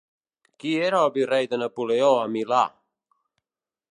Qui era el virrei de Napoleó a Milà?